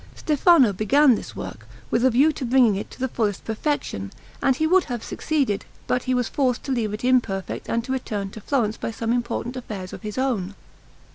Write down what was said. Stefano began this work with a view to bringing it to the fullest perfection, and he would have succeeded, but he was forced to leave it imperfect and to return to Florence by some important affairs of his own.